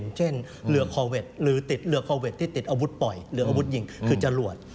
อย่างเช่นเรือคอววิทย์รือทำติดเรือที่ติดอาวุธปล่อยอาวุธยิ่งคือจรวด